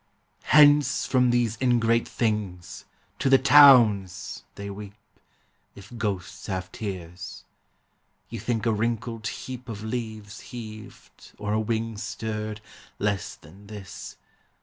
'Hence from these ingrate things! To the towns!' they weep, (If ghosts have tears). You think a wrinkled heap Of leaves heaved, or a wing stirred, less than this.